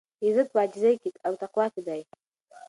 عزت په عاجزۍ او تقوا کې دی.